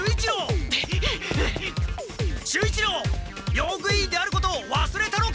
用具委員であることをわすれたのか？